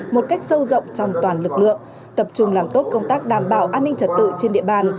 một cách sâu rộng trong toàn lực lượng tập trung làm tốt công tác đảm bảo an ninh trật tự trên địa bàn